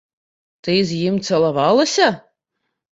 Ты з ім цалавалася?